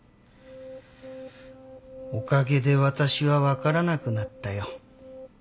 おかげで私は分からなくなったよ。